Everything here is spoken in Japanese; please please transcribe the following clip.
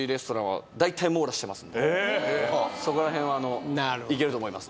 僕大体そこらへんはいけると思います